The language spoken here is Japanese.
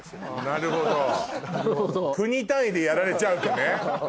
なるほど国単位でやられちゃうとね。